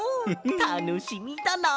たのしみだなあ！